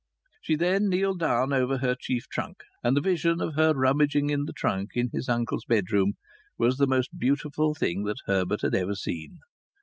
She then kneeled down over her chief trunk, and the vision of her rummaging in the trunk in his uncle's bedroom was the most beautiful thing that Herbert had ever seen.